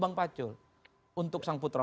bang pacul untuk sang putra